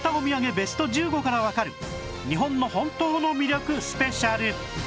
ベスト１５からわかる日本の本当の魅力スペシャル